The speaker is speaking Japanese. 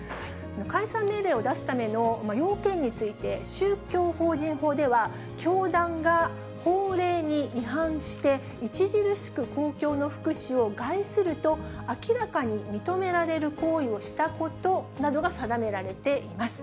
解散命令を出すための要件について宗教法人法では、教団が法令に違反して、著しく公共の福祉を害すると明らかに認められる行為をしたことなどが定められています。